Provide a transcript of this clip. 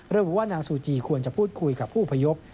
ระบุว่านางซูจีควรจะพูดคุยกับผู้อพยพ